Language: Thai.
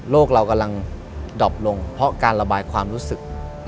เรากำลังดอบลงเพราะการระบายความรู้สึก